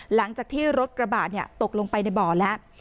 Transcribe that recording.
หลังจากที่รถกระบะตกลงไปในบ่อแล้ว